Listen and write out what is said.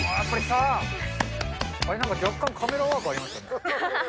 あれ、なんか若干カメラワークありましたね。